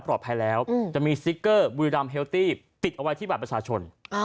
ปลอดภัยแล้วจะมีซิกเกอร์บูริลัมพอเฮลตีติดเอาไว้ที่ประชาชน